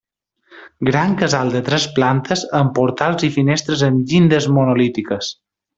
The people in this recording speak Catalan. Gran casal de tres plantes amb portals i finestres amb llindes monolítiques.